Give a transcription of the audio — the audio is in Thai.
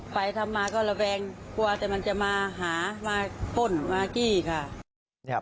ไปทำมาก็ระแวงกลัวแต่มันจะมาหามาพ่นมากี้ค่ะ